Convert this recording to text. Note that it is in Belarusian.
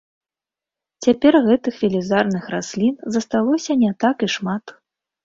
Цяпер гэтых велізарных раслін засталося не так і шмат.